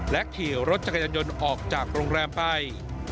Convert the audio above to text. ขี่รถจักรยานยนต์ออกจากโรงแรมไป